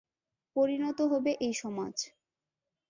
পরিণত হবে এই সমাজ।